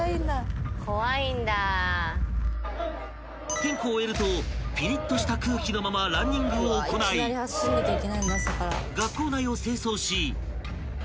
［点呼を終えるとぴりっとした空気のままランニングを行い学校内を清掃し］